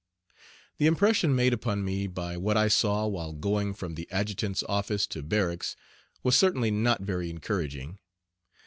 The impression made upon me by what I saw while going from the adjutant's office to barracks was certainly not very encouraging.